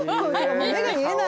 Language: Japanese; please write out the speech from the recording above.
目が見えない。